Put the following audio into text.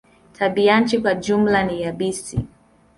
Tabianchi kwa jumla ni yabisi.